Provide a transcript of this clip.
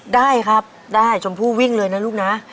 ได้ครับได้ชมพู่วิ่งเลยนะลูกนะ